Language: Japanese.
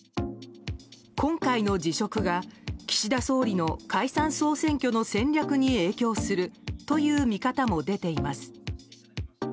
今回の辞職が、岸田総理の解散・総選挙の戦略に影響するという見方も出ています。